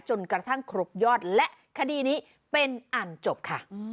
จนกระทั่งครบยอดและคดีนี้เป็นอันจบค่ะ